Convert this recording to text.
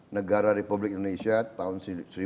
negara republik indonesia tahun seribu sembilan ratus empat puluh